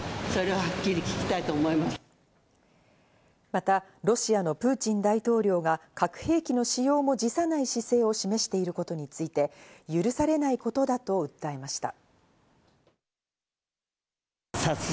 また、ロシアのプーチン大統領が核兵器の使用も辞さない姿勢を示していることについて許されないことだと訴えました。